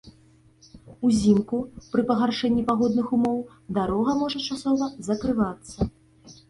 Узімку пры пагаршэнні пагодных умоў дарога можа часова закрывацца.